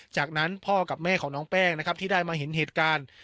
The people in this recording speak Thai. จากนั้นพ่อกับแม่ของน้องแป้งนะครับที่ได้มาเห็นเหตุการณ์